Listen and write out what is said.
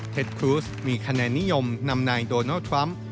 ครูสมีคะแนนนิยมนำนายโดนัลด์ทรัมป์